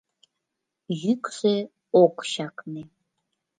Йӱксӧ ок чакне.